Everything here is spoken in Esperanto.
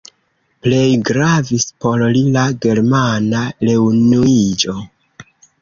Plej gravis por li la Germana reunuiĝo.